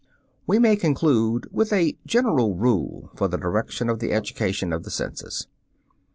We may conclude with a general rule for the direction of the education of the senses.